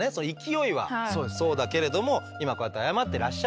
勢いはそうだけれども今こうやって謝ってらっしゃるんで。